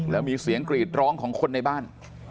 แล้วมีเสียงกรีดร้องของคนในบ้าน